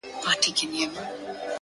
اوس مي د هغي دنيا ميـر ويـــده دی;